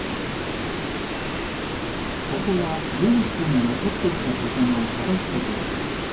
ここはりょうしさんがとってきたさかなをさばくところ。